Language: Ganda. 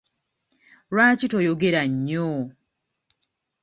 Lwaki toyogera nnyo?